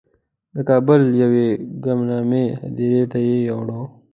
د کابل یوې ګمنامې هدیرې ته یې یووړ.